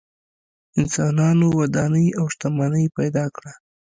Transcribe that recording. انسانانو ودانۍ او شتمنۍ پیدا کړه.